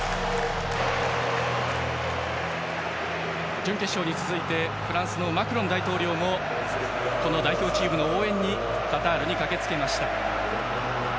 準決勝に続いてフランスのマクロン大統領もこの代表チームの応援にカタールに駆けつけました。